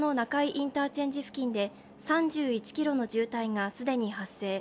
インターチェンジ付近で３１ｋｍの渋滞が既に発生。